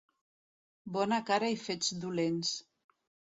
Bona cara i fets dolents.